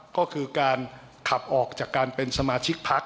ก็คือการขับออกจากการเป็นสมาชิกพัก